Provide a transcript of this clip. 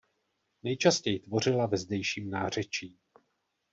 Nejčastěji tvořila ve zdejším nářečí.